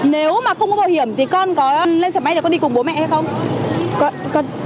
nếu mà không có bảo hiểm thì con có lên xe máy rồi con đi cùng bố mẹ hay không